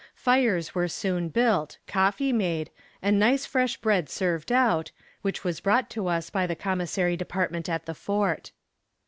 Fires were soon built, coffee made, and nice fresh bread served out, which was brought to us by the commissary department at the fort.